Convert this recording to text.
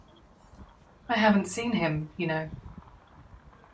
I haven't seen him, you know.